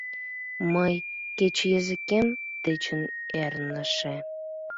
Мый, — кеч языкем дечын эрныше